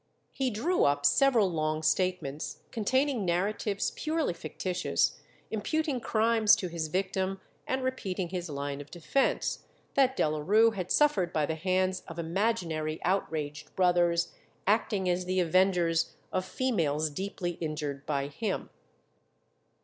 He drew up several long statements, containing narratives purely fictitious, imputing crimes to his victim, and repeating his line of defence, that Delarue had suffered by the hands of imaginary outraged brothers acting as the avengers of females deeply injured by him.